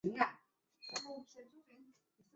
通过在钢材表面电镀锌而制成。